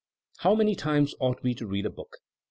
How many times ought we to read a book?